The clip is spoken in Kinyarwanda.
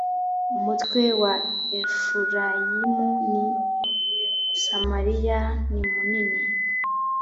umutwe wa efurayimu ni samariya nimunini